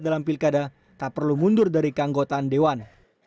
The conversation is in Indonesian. dalam pilkada tak perlu mundur dari keanggotaan dewan